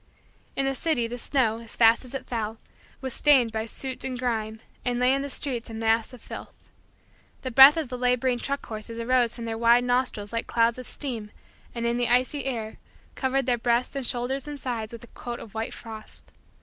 In the city the snow, as fast as it fell, was stained by soot and grime and lay in the streets a mass of filth. The breath of the laboring truck horses arose from their wide nostrils like clouds of steam and, in the icy air, covered their breasts and shoulders and sides with a coat of white frost.